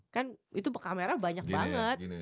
kan itu kamera banyak banget